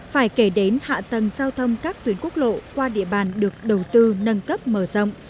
phải kể đến hạ tầng giao thông các tuyến quốc lộ qua địa bàn được đầu tư nâng cấp mở rộng